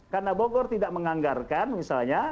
karena bogor tidak menganggarkan misalnya